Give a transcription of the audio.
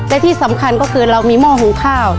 และที่สำคัญก็คือเรามีหม้อหุงข้าว